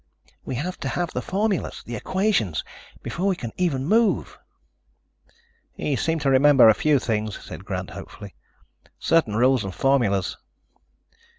We have to have the formulas, the equations, before we can even move." "He seemed to remember a few things," said Grant hopefully. "Certain rules and formulas."